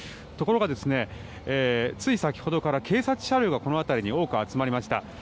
ところがつい先ほどから警察車両がこの辺りに多く集まりました。